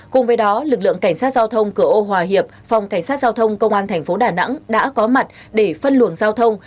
cùng với đó lực lượng cảnh sát giao thông cửa ô hòa hiệp phòng cảnh sát giao thông công an thành phố đà nẵng đã có mặt để phân luồng giao thông